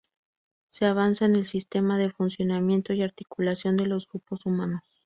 Se avanza en el sistema de funcionamiento y articulación de los grupos humanos.